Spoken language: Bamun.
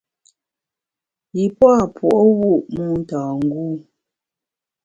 Yi pua’ puo’wu’ motângû.